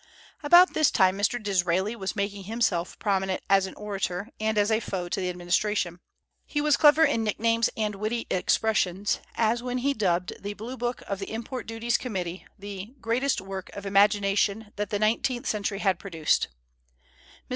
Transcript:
About this time Mr. Disraeli was making himself prominent as an orator, and as a foe to the administration. He was clever in nicknames and witty expressions, as when he dubbed the Blue Book of the Import Duties Committee "the greatest work of imagination that the nineteenth century had produced." Mr.